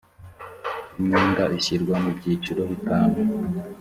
imyenda ishyirwa mu byiciro bitanu